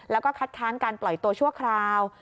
แล้วก็คัดค้านการปล่อยตัวชั่วคราว